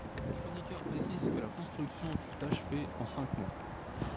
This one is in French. Le chroniqueur précise que la construction fut achevée en cinq mois.